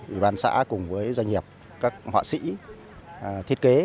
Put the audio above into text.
ủy ban xã cùng với doanh nghiệp các họa sĩ thiết kế